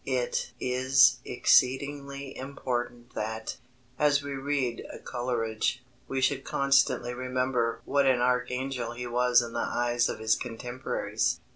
_" It is exceedingly important that, as we read Coleridge, we should constantly remember what an archangel he was in the eyes of his contemporaries.